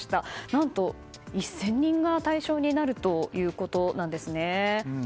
何と１０００人が対象になるということなんですね。